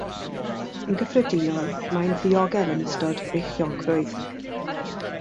Yn gyffredinol mae'n ddiogel yn ystod beichiogrwydd.